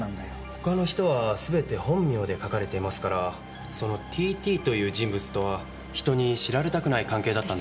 他の人は全て本名で書かれていますからそのＴ．Ｔという人物とは人に知られたくない関係だったんでしょう。